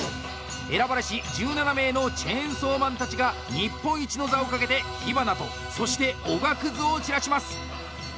選ばれし１７名のチェーンソーマンたちが日本一の座を懸けて火花とそして、おがくずを散らします。